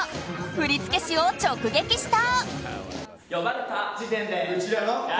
振付師を直撃した。